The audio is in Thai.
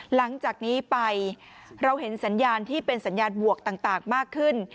หลังจากนี้ไปเราเห็นสัญญาณที่เป็นสัญญาณบวกต่างมากขึ้น